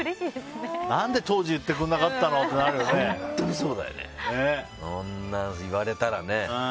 何で当時言ってくれなかったのこんな言われたらね。